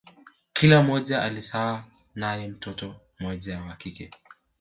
Kila mmoja alizaa nae mtoto mmoja wa kike